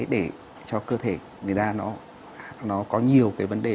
để cho cơ thể người ta nó có nhiều cái vấn đề